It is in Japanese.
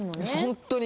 本当に。